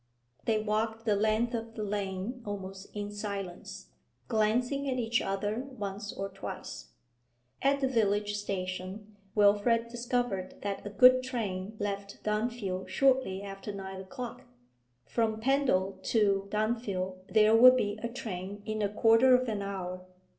They walked the length of the lane almost in silence, glancing at each other once or twice. At the village station, Wilfrid discovered that a good train left Dunfield shortly after nine o'clock. From Pendal to Dunfield there would be a train in a quarter of an hour.